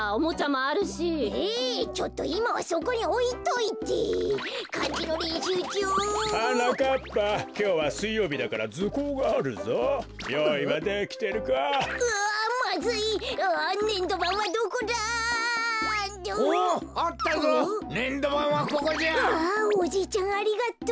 あおじいちゃんありがとう。